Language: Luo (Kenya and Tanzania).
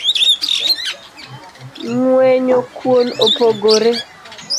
Ng’wenyo kuon opogore